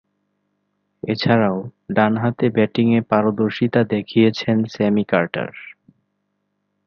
এছাড়াও, ডানহাতে ব্যাটিংয়ে পারদর্শীতা দেখিয়েছেন স্যামি কার্টার।